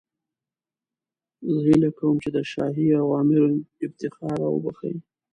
زه هیله کوم چې د شاهي اوامرو افتخار را وبخښئ.